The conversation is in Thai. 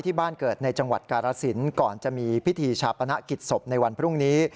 ที่บ้านเกิดในจังหวัดกาลสินก่อนจะมีพิธีชาปนกิจศพในวันพรุ่งนี้